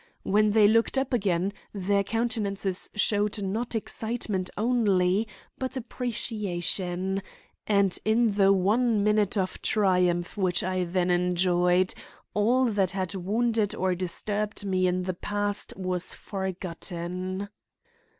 When they looked up again, their countenances showed not excitement only but appreciation; and in the one minute of triumph which I then enjoyed, all that had wounded or disturbed me in the past was forgotten.